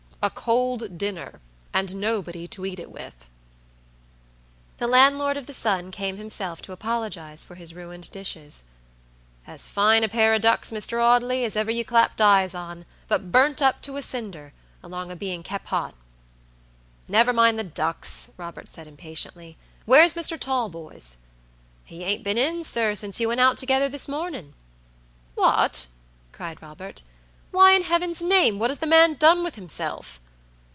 "A cold dinner, and nobody to eat it with!" The landlord of the Sun came himself to apologize for his ruined dishes. "As fine a pair of ducks, Mr. Audley, as ever you clapped eyes on, but burnt up to a cinder, along of being kep' hot." "Never mind the ducks," Robert said impatiently; "where's Mr. Talboys?" "He ain't been in, sir, since you went out together this morning." "What!" cried Robert. "Why, in heaven's name, what has the man done with himself?"